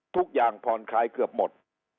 ทุกอย่างผ่อนคลายเกือบหมด